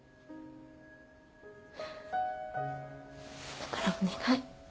だからお願い。